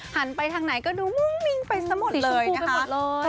หันไปทางไหนก็ดูมุ่งมิงไปสะหมดเลยนะคะสีชมพูไปหมดเลย